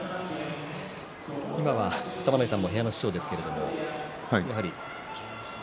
今は玉ノ井さんも部屋の師匠ですけれどやはり。